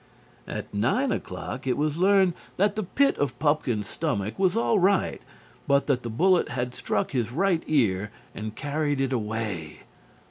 At nine o'clock it was learned that the pit of Pupkin's stomach was all right, but that the bullet had struck his right ear and carried it away.